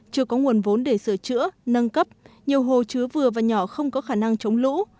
chưa có nguồn vốn để sửa chữa nâng cấp nhiều hồ chứa vừa và nhỏ không có khả năng chống lũ